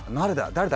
誰だ？